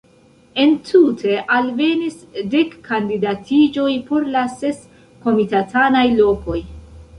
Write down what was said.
Entute alvenis dek kandidatiĝoj por la ses komitatanaj lokoj.